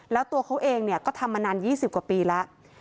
แล้วตัวเขาเองก็ทำมานาน๒๐กว่าปีแล้ว